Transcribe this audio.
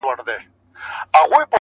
له هراته تر زابله سره یو کور د افغان کې؛